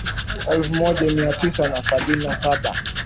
elfu moja mia tisa na sabini na saba